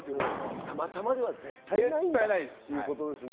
たまたまでは絶対ないってことですね。